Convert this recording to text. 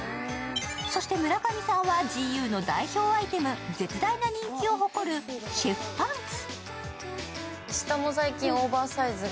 そして村上さんはＧＵの代表アイテム、絶大な人気を誇るシェフパンツ。